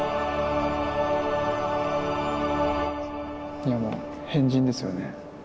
いやもう変人ですよね。